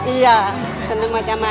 iya senang baca baca itu